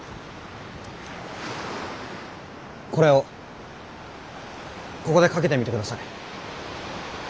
これをここでかけてみてください。